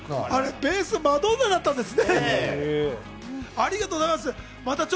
ベース、マドンナだったんですね。